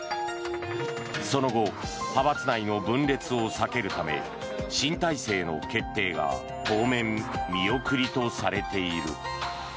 その後派閥内の分裂を避けるため新体制の決定が当面見送りとされている。